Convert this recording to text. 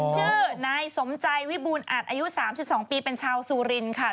ชื่อนายสมใจวิบูรณ์อัดอายุ๓๒ปีเป็นชาวสุรินค่ะ